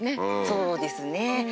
そうですね。